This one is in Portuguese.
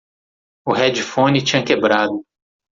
O headphone tinha quebrado